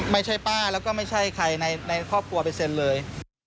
ไม่ใช่ป้าแล้วก็ไม่ใช่ใครในครอบครัวไปเซ็นเลย